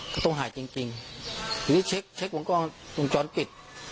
ก็ต้องหายจริงจริงทีนี้เช็คเช็ควงกล้องวงจรปิด